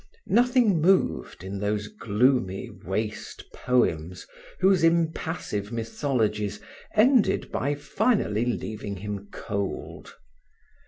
Nothing moved in those gloomy, waste poems whose impassive mythologies ended by finally leaving him cold.